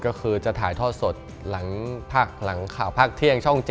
ก็คือจะถ่ายทอดสดหลังข่าวภาคเที่ยงช่อง๗